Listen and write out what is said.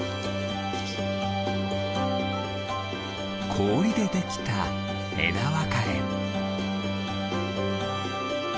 こおりでできたえだわかれ。